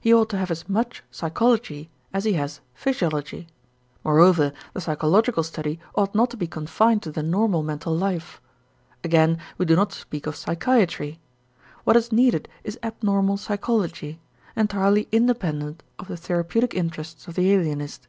He ought to have as much psychology as he has physiology. Moreover the psychological study ought not to be confined to the normal mental life. Again we do not speak of psychiatry. What is needed is abnormal psychology, entirely independent of the therapeutic interests of the alienist.